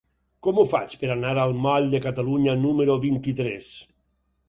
Com ho faig per anar al moll de Catalunya número vint-i-tres?